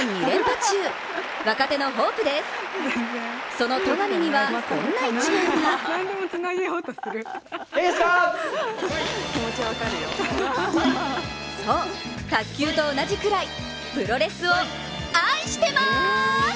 その戸上には、こんな一面がそう、卓球と同じくらい、プロレスを愛してます！